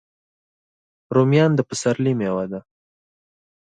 رومیان د پسرلي میوه ده